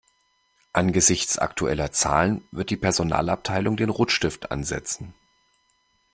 Angesichts aktueller Zahlen wird die Personalabteilung den Rotstift ansetzen.